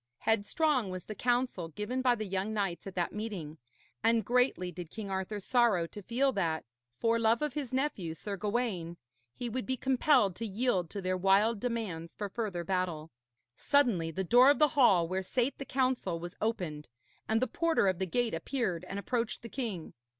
Headstrong was the counsel given by the young knights at that meeting, and greatly did King Arthur sorrow to feel that, for love of his nephew, Sir Gawaine, he would be compelled to yield to their wild demands for further battle. Suddenly the door of the hall where sate the council was opened, and the porter of the gate appeared and approached the king.